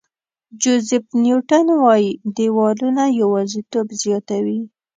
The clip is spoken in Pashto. جوزیف نیوټن وایي دیوالونه یوازېتوب زیاتوي.